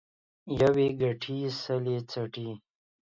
يو يې گټي ، سل يې څټي.